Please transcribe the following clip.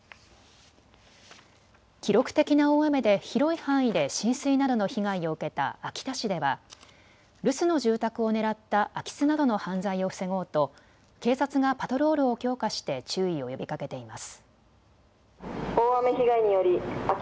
記録的な大雨で広い範囲で浸水などの被害を受けた秋田市では留守の住宅を狙った空き巣などの犯罪を防ごうと警察がパトロールを強化して注意を呼びかけています。